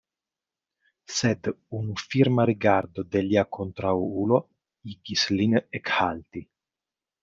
Sed unu firma rigardo de lia kontraŭulo igis lin ekhalti.